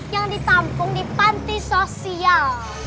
yang ditampung di panti sosial